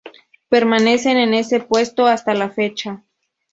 Permanece en ese puesto hasta la fecha.